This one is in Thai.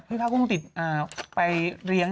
พี่พร้าวกุ้งติดไปเลี้ยง